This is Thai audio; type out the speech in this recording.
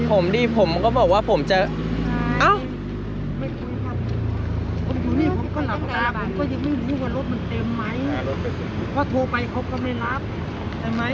อยู่ที่นี่เขาก็หลับตาผมก็ยังไม่รู้ว่ารถมันเต็มไหม